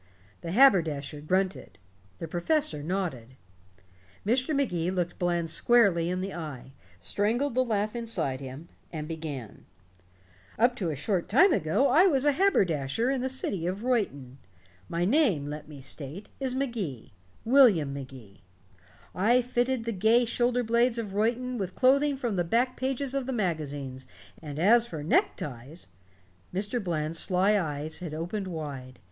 The haberdasher grunted. The professor nodded. Mr. Magee looked Bland squarely in the eye, strangled the laugh inside him, and began: "Up to a short time ago I was a haberdasher in the city of Reuton. My name, let me state, is Magee William Magee. I fitted the gay shoulder blades of Reuton with clothing from the back pages of the magazines, and as for neckties " Mr. Bland's sly eyes had opened wide.